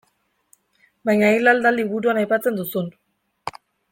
Baina hil al da liburuan aipatzen duzun.